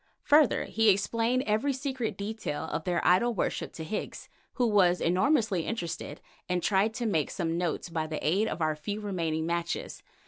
Further, he explained every secret detail of their idol worship to Higgs, who was enormously interested, and tried to make some notes by the aid of our few remaining matches.